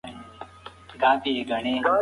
د العبر کتاب کومه برخه ډیره مشهوره ده؟